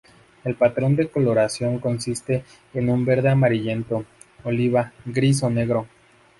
El patrón de coloración consiste en un verde amarillento, oliva, gris o negro.